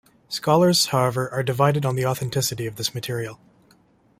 Scholars, however, are divided on the authenticity of this material.